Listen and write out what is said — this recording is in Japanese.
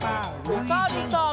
おさるさん。